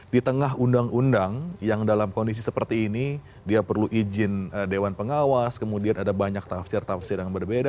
di tengah undang undang yang dalam kondisi seperti ini dia perlu izin dewan pengawas kemudian ada banyak tafsir tafsir yang berbeda